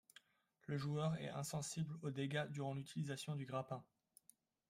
Le joueur est insensible aux dégâts durant l'utilisation du grappin.